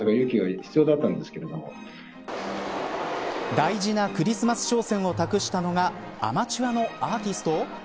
大事なクリスマス商戦を託したのがアマチュアのアーティスト。